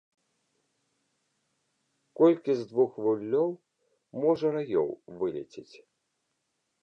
Колькі з двух вуллёў можа раёў вылецець?